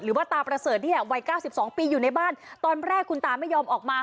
ตาประเสริฐนี่แหละวัย๙๒ปีอยู่ในบ้านตอนแรกคุณตาไม่ยอมออกมา